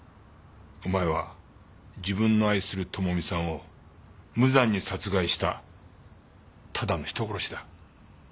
お前は自分の愛する智美さんを無残に殺害したただの人殺しだ。